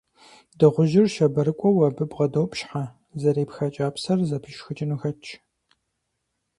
Дыгъужьыр щабэрыкӀуэу абы бгъэдопщхьэ, зэрепха кӀапсэр зэпишхыкӀыну хэтщ.